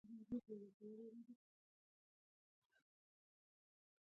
له ملګرو سره وخت تېرول د خوښۍ راز دی.